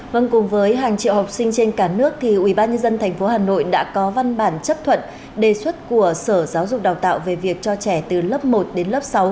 vâng cùng với hàng triệu học sinh trên cả nước thì ubnd tp hà nội đã có văn bản chấp thuận đề xuất của sở giáo dục đào tạo về việc cho trẻ từ lớn đến lớn